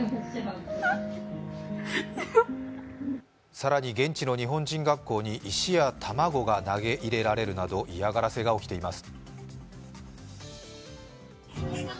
更に現地の日本人学校に石や卵などが投げ入れられるなど嫌がらせが続いています。